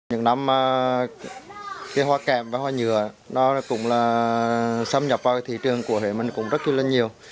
những năm hoa kèm và hoa nhựa xâm nhập vào thị trường của huế cũng rất nhiều